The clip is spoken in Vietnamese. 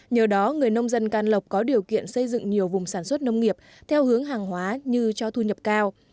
nhờ đó người nông dân can lộc có điều kiện xây dựng nhiều vùng sản xuất nông nghiệp theo hướng hàng hóa như cho thu nhập cao